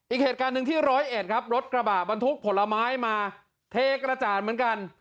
อีกเหตุการณ์หนึ่งที่ร้อยเอ็ดครับรถกระบะบรรทุกผลไม้มาเทกระจาดเหมือนกัน